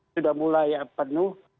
sudah mulai penuh